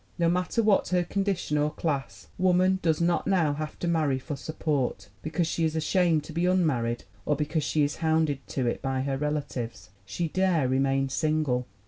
No matter what her condi tion or class, woman does not now have to marry for support, because she is ashamed to be unmarried, or because she is hounded to it by her relatives. She dare remain single.